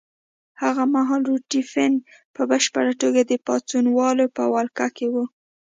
هغه مهال روټي فنک په بشپړه توګه د پاڅونوالو په ولکه کې وو.